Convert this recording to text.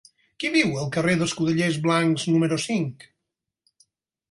Qui viu al carrer d'Escudellers Blancs número cinc?